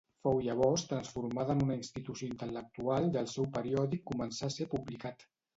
Fou llavors transformada en una institució intel·lectual i el seu periòdic començà a ser publicat.